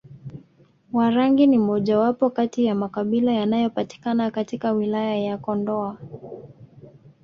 Warangi ni mojawapo kati ya makabila yanayopatikana katika wilaya ya Kondoa